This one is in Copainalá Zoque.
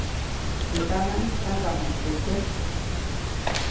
Teʼ ŋganaʼŋis ʼyaŋgamuʼuŋ teʼ tyäjk.